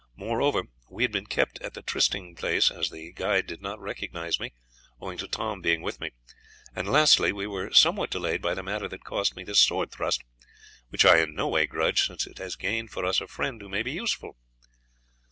Moreover, we had been kept at the trysting place, as the guide did not recognize me owing to Tom being with me; and lastly, we were somewhat delayed by the matter that cost me this sword thrust, which I in no way grudge, since it has gained for us a friend who may be useful."